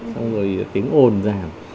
xong rồi tiếng ồn giảm